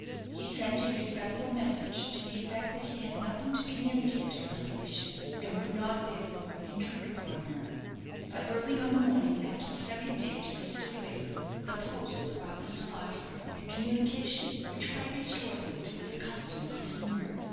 He sent a respectful message, to the effect that he had nothing to communicate to her ladyship, and would not therefore intrude upon her. But early on the morning after the second day's wasted labour, the post brought Mr. Larkspur a communication which quite restored him to his accustomed good humour.